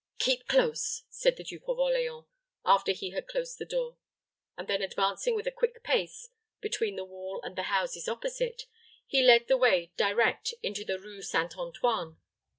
"Keep close," said the Duke of Orleans, after he had closed the door; and then advancing with a quick pace between the wall and the houses opposite, he led the way direct into the Rue St. Antoine.